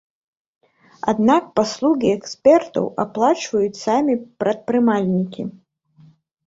Аднак паслугі экспертаў аплачваюць самі прадпрымальнікі.